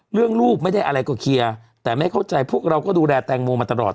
ลูกไม่ได้อะไรก็เคลียร์แต่ไม่เข้าใจพวกเราก็ดูแลแตงโมมาตลอด